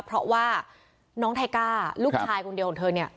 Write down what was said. เพราะว่าน้องไทก้าลูกชายคนเดียวของเธอเนี่ย